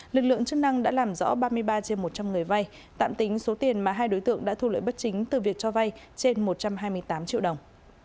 lực lượng chức năng đã làm rõ ba mươi ba trên một trăm linh người vay tạm tính số tiền mà hai đối tượng đã thu lợi bất chính từ việc cho vay trên một trăm hai mươi tám triệu đồng